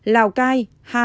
lào cai hai